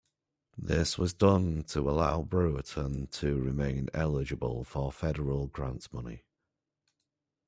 This was done to allow Brewerton to remain eligible for Federal grant money.